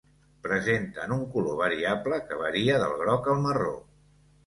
Presenten un color variable que varia del groc al marró.